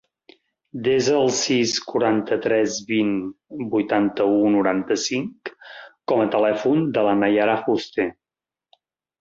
Desa el sis, quaranta-tres, vint, vuitanta-u, noranta-cinc com a telèfon de la Naiara Juste.